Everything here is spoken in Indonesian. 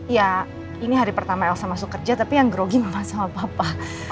ya ini hari pertama elsa masuk kerja tapi yang grogi makan sama papa